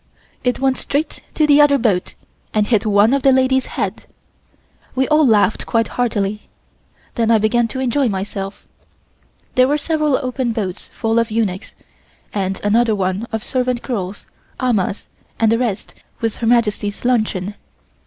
It went straight to the other boat and hit one of the ladies' head. We all laughed quite heartily. Then I began to enjoy myself. There were several open boats full of eunuchs, and another one of servant girls, amahs and the rest with Her Majesty's luncheon.